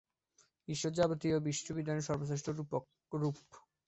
ঈশ্বর যাবতীয় বিশ্ব-বিধানের সর্বশ্রেষ্ঠ রূপ।